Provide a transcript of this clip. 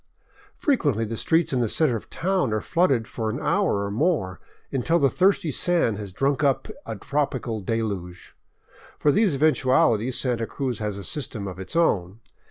Frequently the streets in the center of town are flooded for an hour or more, until the thirsty sand has drunk up a tropical deluge. For these eventualities Santa Cruz has a system of its own.